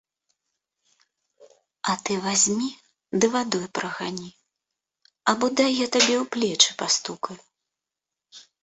А ты вазьмі ды вадой прагані, або дай я табе ў плечы пастукаю.